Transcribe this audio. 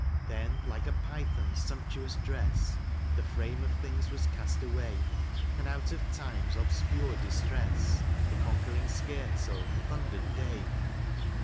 Then, like a python's sumptuous dress The frame of things was cast away, And, out of Time's obscure distress The conquering scherzo thundered Day.